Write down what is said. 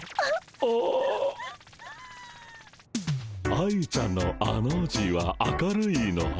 「愛ちゃんの『あ』の字は明るいの『あ』」